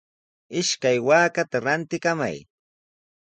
Ishkay waakata rantikamay.